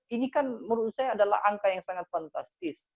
ini kan menurut saya adalah angka yang sangat fantastis